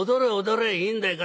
いいんだよ